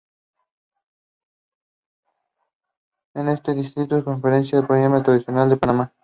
En este distrito se confecciona la pollera, Traje Nacional de Panamá.